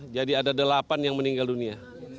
jadi ada delapan yang meninggal dunia